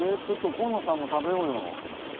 ちょっと今野さんも食べようよ。